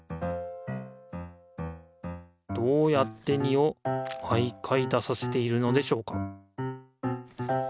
どうやって２を毎回出させているのでしょうか？